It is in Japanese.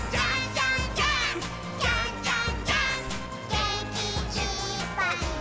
「げんきいっぱいもっと」